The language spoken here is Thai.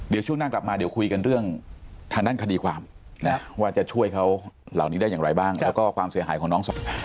เดี๋ยวช่วงหน้ากลับมาเดี๋ยวคุยกันเรื่องทางด้านคดีความนะว่าจะช่วยเขาเหล่านี้ได้อย่างไรบ้างแล้วก็ความเสียหายของน้อง